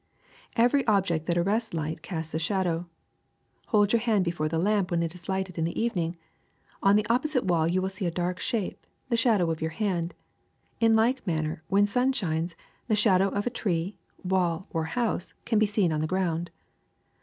<< Every object that arrests light casts a shadow. Hold your hand before the lamp when it is lighted in the evening. On the opposite wall you will see a dark shape, the shadow of your hand. In like man ner, when the sun shines, the shadow of a tree, wall, or house can be seen on the ground.